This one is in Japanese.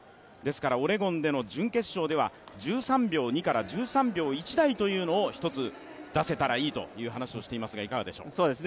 オレゴンでの準決勝では１３秒２から１台をひとつつ出せたらいいという話をしていますが、いかがでしょう。